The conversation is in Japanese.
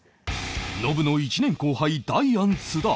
ノブの１年後輩ダイアン津田